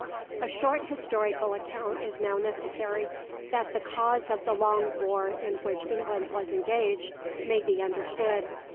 A short historical account is now necessary, that the cause of the long war in which England was engaged may be understood.